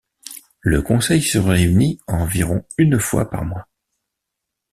Le conseil se réunit environ une fois par mois.